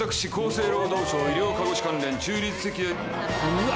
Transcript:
うわ。